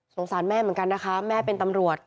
สารแม่เหมือนกันนะคะแม่เป็นตำรวจ